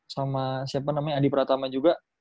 sama siapa namanya adi pratama juga